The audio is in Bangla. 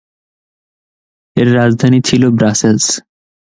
এর রাজধানী ছিল ব্রাসেলস।